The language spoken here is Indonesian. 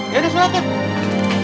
ya udah sholat kan